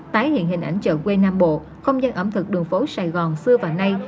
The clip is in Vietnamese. tái hiện hình ảnh chợ quê nam bộ không gian ẩm thực đường phố sài gòn xưa và nay